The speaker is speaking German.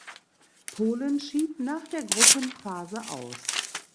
Polen schied nach der Gruppenphase aus.